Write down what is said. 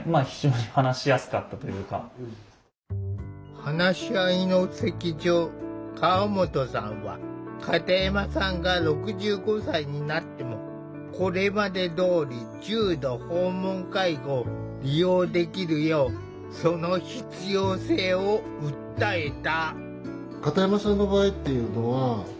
話し合いの席上河本さんは片山さんが６５歳になってもこれまでどおり重度訪問介護を利用できるようその必要性を訴えた。